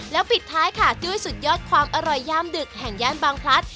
แล้วปิดท้ายค่ะด้วยสุดยอดความอร่อยย่ามดึกแห่งย่านบางพลัด